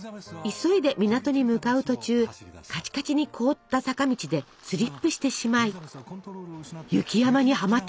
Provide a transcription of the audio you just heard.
急いで港に向かう途中カチカチに凍った坂道でスリップしてしまい雪山にはまってしまいます。